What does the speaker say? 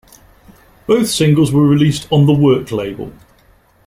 Both singles were released on the Work label.